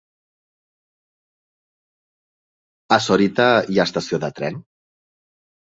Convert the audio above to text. A Sorita hi ha estació de tren?